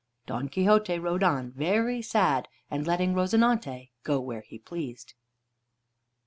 Don Quixote rode on, very sad, and letting "Rozinante" go where he pleased.